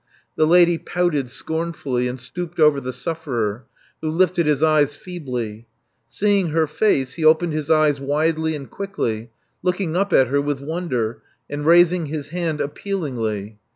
The lady pouted scornfully and stooped over the sufferer, who lifted his eyes feebly. Seeing her face, he opened his eyes widely and quickly, looking up at her with wonder, and raising his hand appealingly.